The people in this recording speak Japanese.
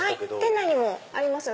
店内にもありますよ。